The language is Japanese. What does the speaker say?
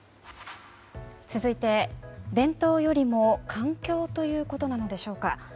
続いて、伝統よりも環境ということなのでしょうか。